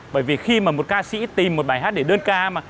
bởi vì khi mà một ca sĩ tìm một bài hát để đơn ca mà